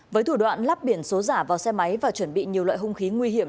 với thủ đoạn lắp biển số giả vào xe máy và chuẩn bị nhiều loại hung khí nguy hiểm